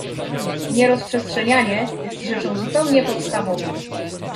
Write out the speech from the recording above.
Nierozprzestrzenianie jest rzeczą zupełnie podstawową